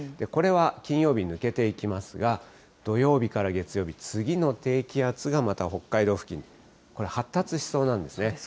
これは金曜日、抜けていきますが、土曜日から月曜日、次の低気圧がまた北海道付近、これ発達しそうなんですね。